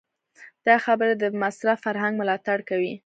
دا خبرې د مصرف فرهنګ ملاتړ کوي.